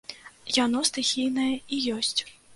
Яно стыхійнае і ёсць.